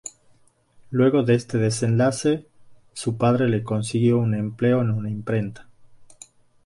Luego de este desenlace, su padre le consiguió un empleo en una imprenta.